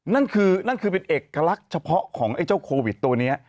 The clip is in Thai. นั่นคือนั่นคือเป็นเอกลักษณ์เฉพาะของไอ้เจ้าโควิดตัวนี้